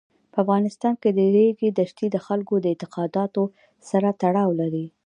په افغانستان کې د ریګ دښتې د خلکو د اعتقاداتو سره تړاو لري.